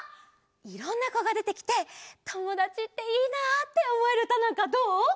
いろんなこがでてきて「ともだちっていいな」っておもえるうたなんかどう！？